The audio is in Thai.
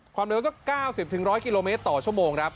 ความเร็วสัก๙๐๑๐๐กิโลเมตรต่อชั่วโมงครับ